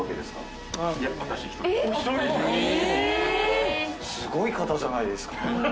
すごい方じゃないですか。